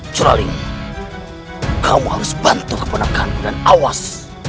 juraling kamu harus bantu keponakan dan awas